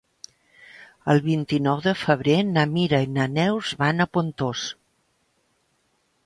El vint-i-nou de febrer na Mira i na Neus van a Pontós.